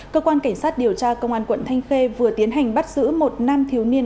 cơ quan cảnh sát điều tra công an quận thanh khê vừa tiến hành bắt giữ một nam thiếu niên